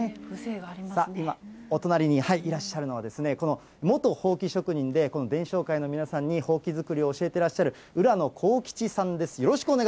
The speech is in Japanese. さあ今、お隣にいらっしゃるのは、この元ほうき職人で、この伝承会の皆さんにほうき作りを教えていらっしゃる、浦野幸吉さんです。